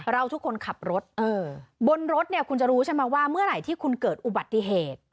เราทุกคนขับรถบนรถเนี่ยคุณจะรู้ใช่ไหมว่าเมื่อไหร่ที่คุณเกิดอุบัติเหตุ